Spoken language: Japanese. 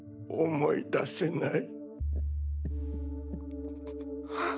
思い出せない。